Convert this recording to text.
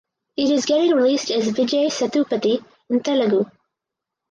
It is getting released as "Vijay Sethupathi" in Telugu.